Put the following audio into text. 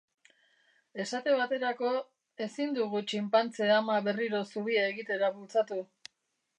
Esate baterako, ezin dugu txinpantze ama berriro zubia egitera bultzatu.